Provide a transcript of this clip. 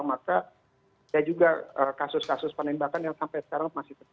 maka ada juga kasus kasus penembakan yang sampai sekarang masih terjadi